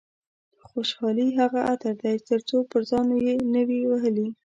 خوشحالي هغه عطر دي چې تر څو پر ځان نه وي وهلي.